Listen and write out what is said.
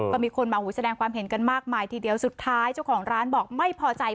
ก็มีคนมาแสดงความเห็นกันมากมายทีเดียวสุดท้ายเจ้าของร้านบอกไม่พอใจ